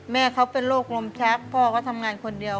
แม่เขาเป็นโรคลมชักพ่อเขาทำงานคนเดียว